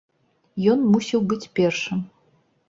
Ён мусіў быць першым.